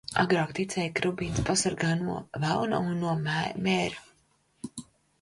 Agrāk ticēja, ka rubīns pasargā no velna un no mēra.